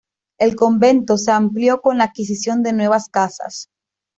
El convento se amplió con la adquisición de nuevas casas.